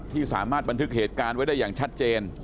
ที่สามารถบันทึกเหตุการณ์ไว้ได้อย่างชัดเจน